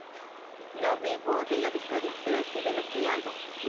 No vivo de la victoria, pero sí de lo que hago".